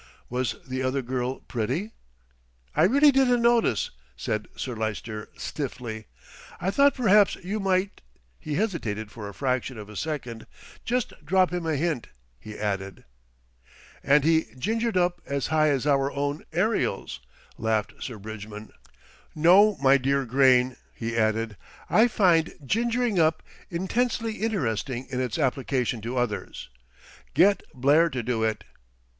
"Was the other girl pretty?" "I really didn't notice," said Sir Lyster stiffly. "I thought perhaps you might" he hesitated for a fraction of a second "just drop him a hint," he added. "And be gingered up as high as our own aerials," laughed Sir Bridgman. "No, my dear Grayne," he added, "I find 'gingering up' intensely interesting in its application to others. Get Blair to do it."